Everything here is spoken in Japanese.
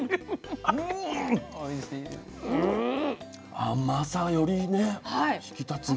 甘さよりね引き立つな。